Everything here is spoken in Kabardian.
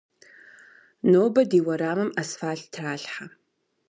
Нобэ ди уэрамым асфалът тралъхьэ.